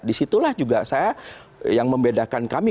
disitulah juga saya yang membedakan kami